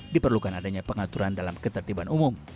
diperlukan adanya pengaturan dalam ketertiban umum